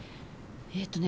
えっとね